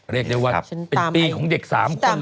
เรียกได้ว่าเป็นปีของเด็ก๓คนเลยจริง